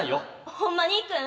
ホンマに行くん？